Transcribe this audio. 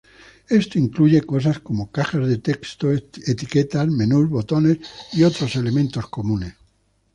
Esto incluye cosas como cajas de texto, etiquetas, menús, botones y otros elementos comunes.